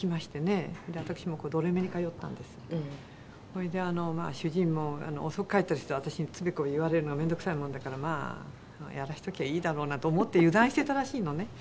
それであの主人も遅く帰ったりすると私につべこべ言われるのが面倒くさいもんだからまあやらせときゃいいだろうなと思って油断してたらしいのね。